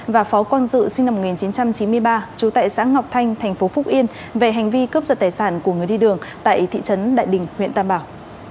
và phó con dự sinh năm một nghìn chín trăm chín mươi ba chú tải xã ngọc thanh thành phố phúc yên về hành vi cướp giật tài sản của người đi đường tại thị trấn đại đình huyện tâm bảo